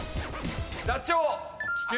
ダチョウ。